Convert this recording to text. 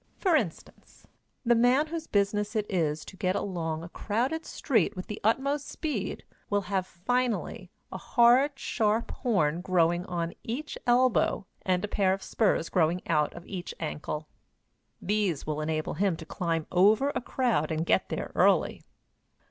For instance, the man whose business it is to get along a crowded street with the utmost speed will have, finally, a hard, sharp horn growing on each elbow, and a pair of spurs growing out of each ankle. These will enable him to climb over a crowd and get there early.